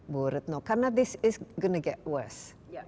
karena ini akan menjadi lebih buruk